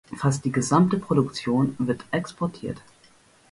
Fast die gesamte Produktion wird exportiert.